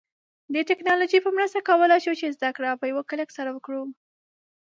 د ټیکنالوژی په مرسته کولای شو چې زده کړه په یوه کلیک سره وکړو